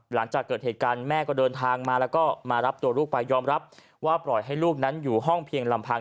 หลังจากเกิดเหตุการณ์แม่ก็เดินทางมาแล้วก็มารับตัวลูกไปยอมรับว่าปล่อยให้ลูกนั้นอยู่ห้องเพียงลำพัง